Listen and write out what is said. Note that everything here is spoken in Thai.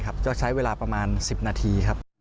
ก็ใช้เวลาประมาณ๑๐นาทีครับ